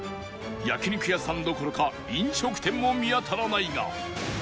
焼肉屋さんどころか飲食店も見当たらないが